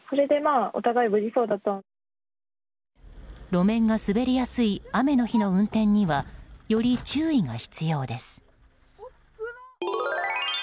路面が滑りやすい雨の日の運転にはより注意が必要です。